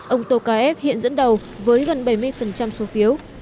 ông tokayev hiện dẫn đầu với gần bảy mươi số phiếu